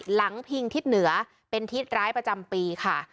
พิงทิศเหนือเป็นทิศร้ายประจำปีค่ะ